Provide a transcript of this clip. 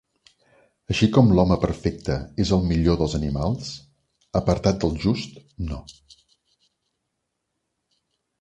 Així com l'home perfecte és el millor dels animals, apartat del just, no.